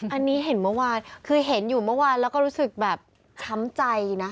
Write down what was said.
อันนี้เห็นเมื่อวานคือเห็นอยู่เมื่อวานแล้วก็รู้สึกแบบช้ำใจนะคะ